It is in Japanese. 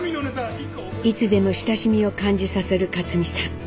いつでも親しみを感じさせる克実さん。